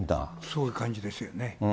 そういう感じですよね。